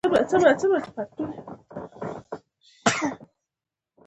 زه ړوند یم سترګې مې سم شی نه وینې